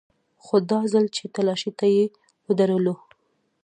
خو دا ځل چې تلاشۍ ته يې ودرولو.